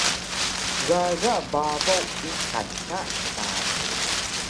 Gaga babaw uqan ka sari